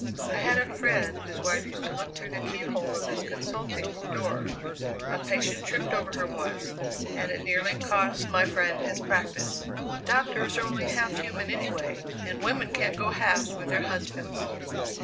I had a friend whose wife used to look through the keyhole of his consulting room door. A patient tripped over her once and it nearly cost my friend his practice. Doctors are only half human anyway, and women can't go halves with their husbands."